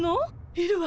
いるわ。